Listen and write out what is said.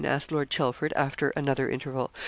asked Lord Chelford, after another interval.